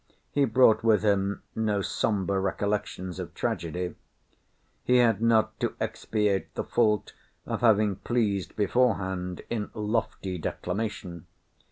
He brought with him no sombre recollections of tragedy. He had not to expiate the fault of having pleased beforehand in lofty declamation.